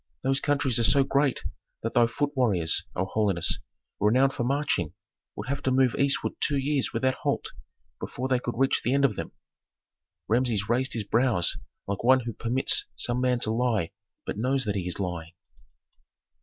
Those countries are so great that thy foot warriors, O holiness, renowned for marching, would have to move eastward two years without halt before they could reach the end of them." Rameses raised his brows like one who permits some man to lie, but knows that he is lying.